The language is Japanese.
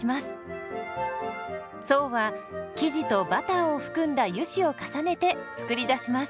層は生地とバターを含んだ油脂を重ねて作り出します。